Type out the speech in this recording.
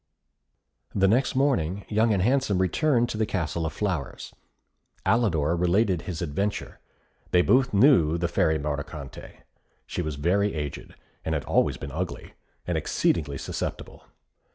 The next morning, Young and Handsome returned to the Castle of Flowers. Alidor related his adventure. They both knew the Fairy Mordicante. She was very aged, had always been ugly, and exceedingly susceptible.